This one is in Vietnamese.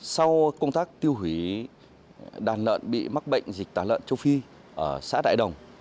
sau công tác tiêu hủy đàn lợn bị mắc bệnh dịch tả lợn châu phi ở xã đại đồng